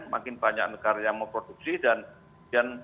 makin banyak negara yang meminta